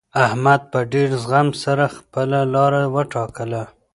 احمد په ډېر زغم سره خپله لاره وټاکله.